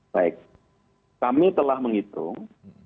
baik kami telah menghitung